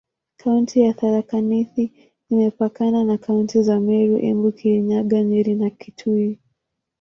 Kaunti ya Tharaka Nithi imepakana na kaunti za Meru, Embu, Kirinyaga, Nyeri na Kitui.